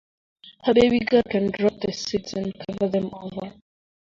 Her baby girl can drop the seeds and cover them over.